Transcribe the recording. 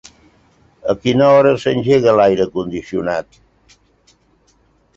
A quina hora s'engega l'aire condicionat?